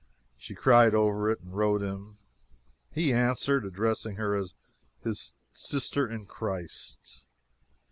She cried over it and wrote him. He answered, addressing her as his "sister in Christ."